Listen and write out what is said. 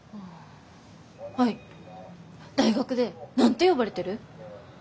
アイ大学で何て呼ばれてる？